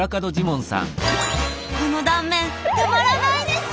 この断面たまらないです！